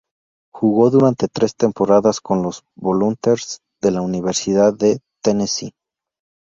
Jugó durante tres temporadas con los "Volunteers" de la Universidad de Tennessee.